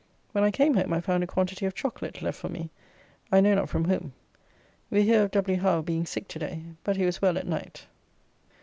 When I came home I found a quantity of chocolate left for me, I know not from whom. We hear of W. Howe being sick to day, but he was well at night.